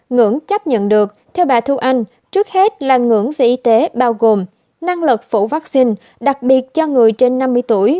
ngưỡng chấp nhận được theo bà thu anh trước hết là ngưỡng về y tế bao gồm năng lực phổ vaccine đặc biệt cho người trên năm mươi tuổi